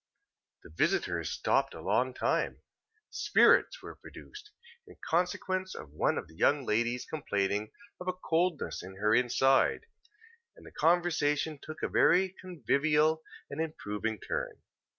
The visitors stopped a long time. Spirits were produced, in consequence of one of the young ladies complaining of a coldness in her inside; and the conversation took a very convivial and improving turn.